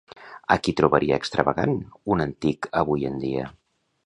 A qui trobaria extravagant un antic avui en dia?